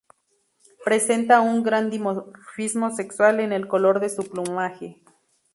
Presenta un gran dimorfismo sexual en el color de su plumaje.